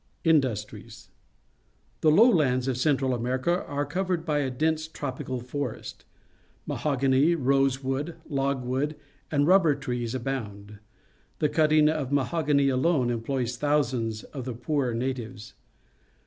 Industries. — The lowlands of Central America are covered by a dense tropical forest. [Mahogany, rosewood, logwood, and rubber trees abound. The cutting of mahogany alone employs thousands of the poorer natives.